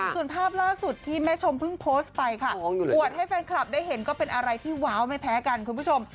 ส่วนภาพล่าสุดที่แม่ชมเพิ่งโพสต์ไปค่ะอวดให้แฟนคลับได้เห็นก็เป็นอะไรที่ว้าวไม่แพ้กันคุณผู้ชม